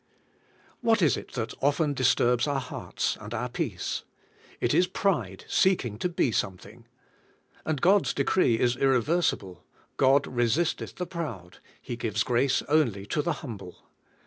What is it that often disturbs our hearts, and our peace? It is pride seeking to be something. And God's decree is irreversible, "God resisteth the proud; He gives grace only to the humble."